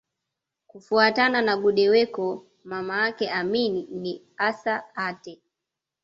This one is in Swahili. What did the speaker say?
Kufuatana na Gudewekko mamake Amin ni Assa Aatte